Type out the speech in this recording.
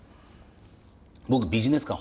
僕ビジネス感